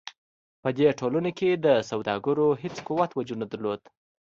په دې ټولنو کې د سوداګرو هېڅ قوت وجود نه درلود.